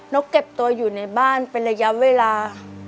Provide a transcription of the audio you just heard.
กเก็บตัวอยู่ในบ้านเป็นระยะเวลา